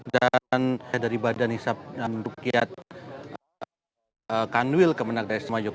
dan dari badan hisap dan rukiat kanwil kemenang sema yogyakarta